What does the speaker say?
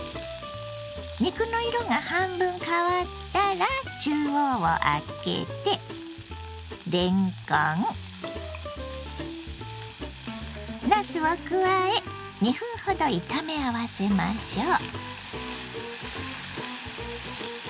肉の色が半分変わったら中央をあけてれんこんなすを加え２分ほど炒め合わせましょう。